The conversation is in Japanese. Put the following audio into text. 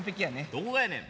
どこがやねん。